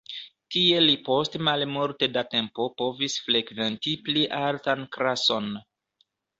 Tie li post malmulte da tempo povis frekventi pli altan klason.